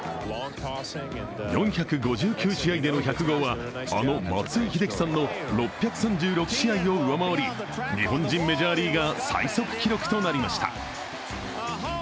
４５９試合での１００号は、あの松井秀喜さんの６３６試合を上回り日本人メジャーリーガー最速記録となりました。